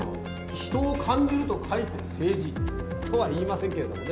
人を感じると書いて政治とは言いませんけれどもね。